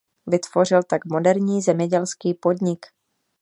Vytvořil tak moderní zemědělský podnik.